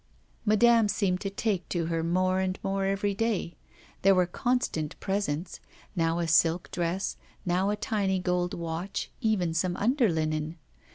Madame seemed to take to her more and more every day; there were constant presents, now a silk dress, now a tiny gold watch, even some underlinen.